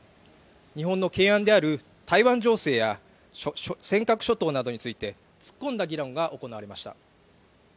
日本の懸案である台湾情勢や尖閣諸島について突っ込んだ議論が行われました。